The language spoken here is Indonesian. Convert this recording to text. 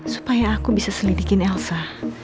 supaya aku bisa selidikin elsa